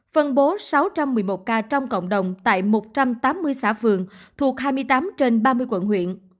phân bố sáu trăm một mươi một ca trong cộng đồng tại một trăm tám mươi xã phường thuộc hai mươi tám trên ba mươi quận huyện